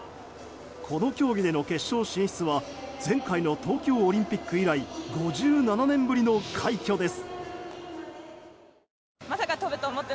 この競技での決勝進出は前回の東京オリンピック以来５７年ぶりの快挙です。